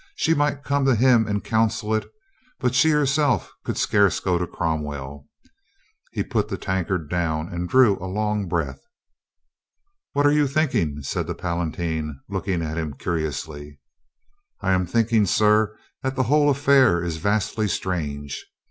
She might come to him and counsel it, but she herself could scarce go to Cromwell. ,.. He put the tankard down and drew a long breath. "What are you thinking?" said the Palatine, look ing at him curiously. "I am thinking, sir .., that the whole af fair is vastly strange. ...